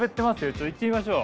ちょっと行ってみましょう。